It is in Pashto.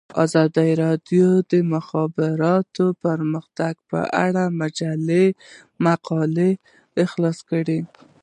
ازادي راډیو د د مخابراتو پرمختګ په اړه د مجلو مقالو خلاصه کړې.